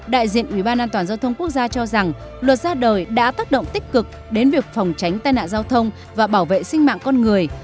đại diện ubnd giao thông quốc gia cho rằng luật ra đời đã tác động tích cực đến việc phòng tránh tai nạn giao thông và bảo vệ sinh mạng con người